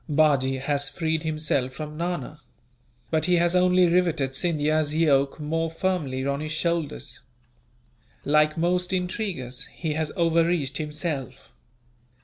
Bajee has freed himself from Nana; but he has only riveted Scindia's yoke more firmly on his shoulders. Like most intriguers, he has overreached himself.